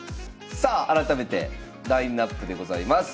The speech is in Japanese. さあ改めてラインナップでございます。